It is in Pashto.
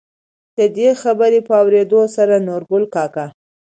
د دې خبرو په اورېدلو سره نورګل کاکا،